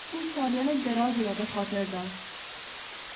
او سالیان درازی را به خاطر داشت.